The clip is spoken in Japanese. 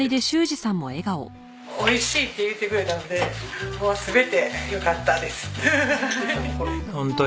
美味しいって言ってくれたのでもう全てよかったですはい。